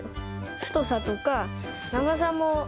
太さとか、長さも。